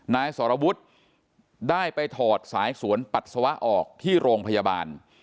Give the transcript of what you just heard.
นายสรวุฒิได้ไปถอดสายสวนปัสสาวะออกที่โรงพยาบาล